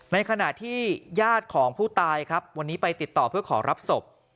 ในขณะที่ญาติของผู้ตายครับวันนี้ไปติดต่อเพื่อขอรับศพ